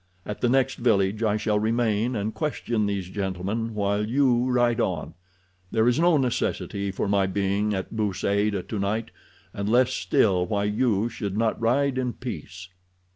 At the next village I shall remain and question these gentlemen, while you ride on. There is no necessity for my being at Bou Saada tonight, and less still why you should not ride in peace."